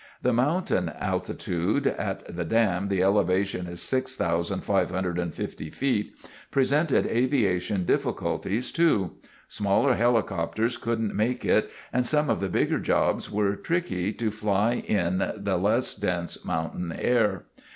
"The mountain altitude (at the dam the elevation is 6,550 ft.), presented aviation difficulties, too. Smaller helicopters couldn't make it, and some of the bigger jobs were tricky to fly in the less dense mountain air.